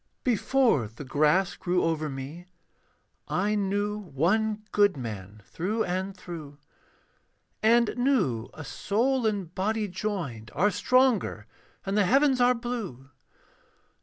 Before the grass grew over me, I knew one good man through and through, And knew a soul and body joined Are stronger than the heavens are blue.